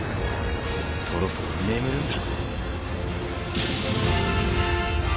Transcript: そろそろ眠るんだ。